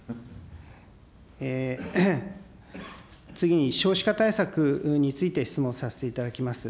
次に少子化対策について質問させていただきます。